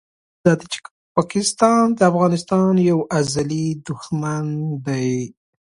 پاکستان د افغانستان یو ازلي دښمن دی!